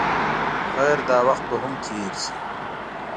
خیر دا وخت به هم تېر شي.